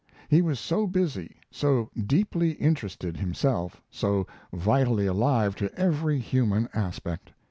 He was so busy, so deeply interested himself, so vitally alive to every human aspect.